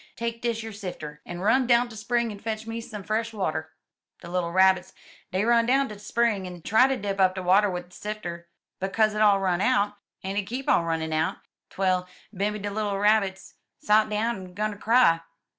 Take dish yer sifter, en run down't de spring en fetch me some fresh water/* '*De little Rabbits, dey run down t* de spring en try ter dip up de water wid de sifter, but co*s hit all run out, en hit keep on runnin' out, twell bimeby de little Rabbits sot down en 'gun ter cry.